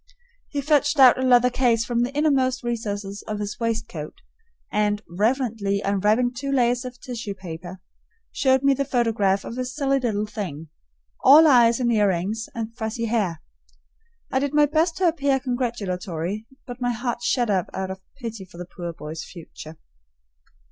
He fetched out a leather case from the innermost recesses of his waistcoat and, reverently unwrapping two layers of tissue paper, showed me the photograph of a silly little thing, all eyes and earrings and fuzzy hair. I did my best to appear congratulatory, but my heart shut up out of pity for the poor boy's future.